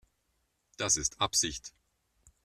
Das ist Absicht.